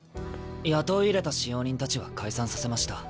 雇い入れた使用人たちは解散させました。